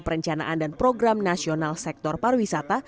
perencanaan dan program nasional sektor pariwisata